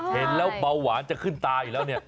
เห็นแล้วเบาหวานจะขึ้นตาอีกแล้วเนี่ย